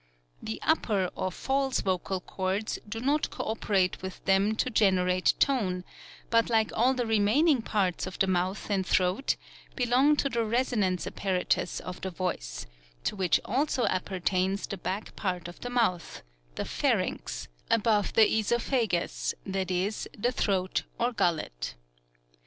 The upper or false vocal cords do not cooperate with them to generate tone, bat like all the remaining parts of the mouth and throat belong to the resonance apparatus of the voice, to which also appertains the back part of the mouth, the pharynx, above the assophagus, that is, the throat or gullet.